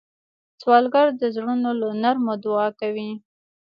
سوالګر د زړونو له نرمو دعا کوي